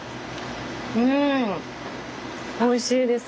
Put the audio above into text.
うんおいしいです。